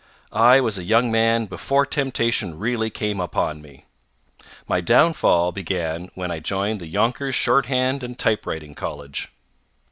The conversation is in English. I was a young man before temptation really came upon me. My downfall began when I joined the Yonkers Shorthand and Typewriting College.